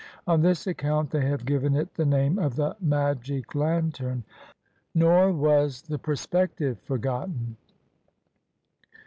On this account they have given it the name of the magic lantern. Nor was perspective forgotten.